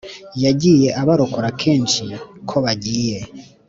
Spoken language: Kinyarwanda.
Yagiye abarokora kenshi ko bagiye